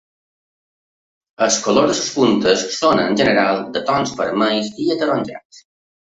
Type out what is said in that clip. Els colors de les puntes són en general de tons vermells i ataronjats.